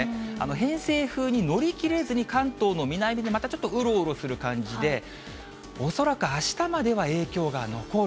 偏西風に乗りきれずに関東の南にまたちょっとうろうろする感じで、恐らくあしたまでは影響が残る。